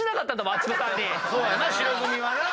そうやな白組はな。